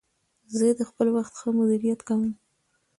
زه د خپل وخت ښه مدیریت کوم.